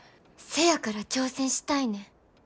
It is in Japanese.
せやから挑戦したいねん。